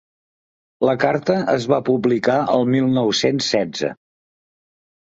La carta es va publicar el mil nou-cents setze.